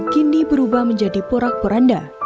kini berubah menjadi porak poranda